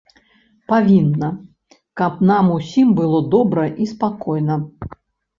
Павінна, каб нам усім было добра і спакойна.